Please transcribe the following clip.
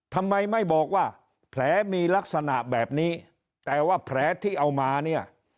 ทำไมไม่บอกว่าแผลมีลักษณะแบบนี้แต่ว่าแผลที่เอามาเนี่ย